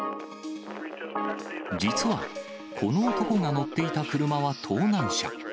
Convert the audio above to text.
実は、この男が乗っていた車は盗難車。